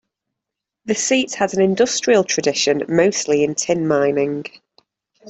The seat had an industrial tradition, mostly in tin mining.